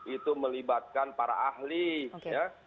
itu melibatkan para ahli ya